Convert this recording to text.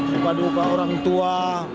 suka duka orang tua